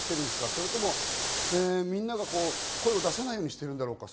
それともみんなが声を出さないようにしているんだろうか？